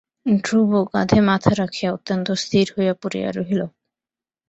ধ্রুব কাঁধে মাথা রাখিয়া অত্যন্ত স্থির হইয়া পড়িয়া রহিল।